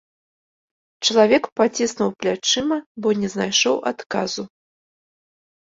Чалавек паціснуў плячыма, бо не знайшоў адказу.